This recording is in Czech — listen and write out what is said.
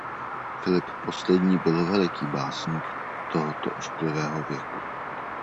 Filip Poslední byl veliký básník tohoto ošklivého věku.